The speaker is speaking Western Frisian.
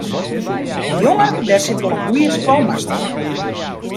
Dy jonge dêr sit wol in goede skoalmaster yn.